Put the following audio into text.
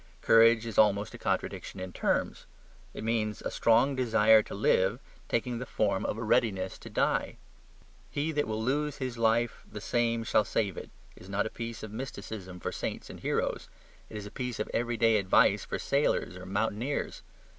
Courage is almost a contradiction in terms. It means a strong desire to live taking the form of a readiness to die. "He that will lose his life, the same shall save it," is not a piece of mysticism for saints and heroes. It is a piece of everyday advice for sailors or mountaineers.